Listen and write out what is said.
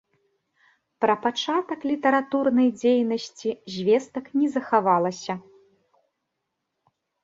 Пра пачатак літаратурнай дзейнасці звестак не захавалася.